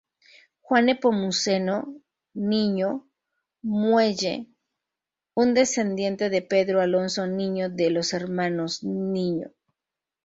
Juan Nepomuceno Niño Muelle, un descendiente de Pedro Alonso Niño de los Hermanos Niño.